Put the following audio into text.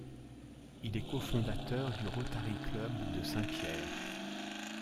Il est cofondateur du Rotary club de Saint-Pierre.